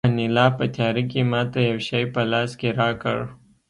انیلا په تیاره کې ماته یو شی په لاس کې راکړ